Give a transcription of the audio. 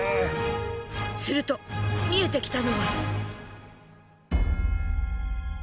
すると見えてきたのは。